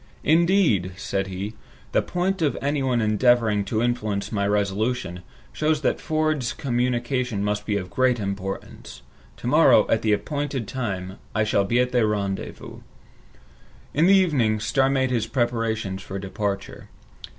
"Indeed," said he, "the fact of anyone endeavoring to influence my resolution, shows that Ford's communication must be of great importance. To morrow, at the appointed time, I shall be at the rendezvous." In the evening, Starr made his preparations for departure.